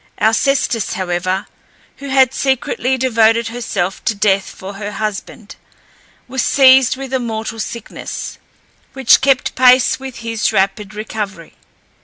Alcestis, however, who had secretly devoted herself to death for her husband, was seized with a mortal sickness, which kept pace with his rapid recovery.